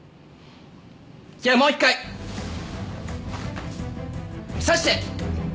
じゃあもう一回！刺して！